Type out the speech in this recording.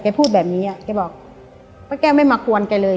แกพูดแบบนี้อ่ะแกบอกปะแก้วไม่มาควรแกเลย